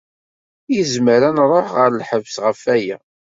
Izmer ad nṛuḥ ɣer lḥebs ɣef aya.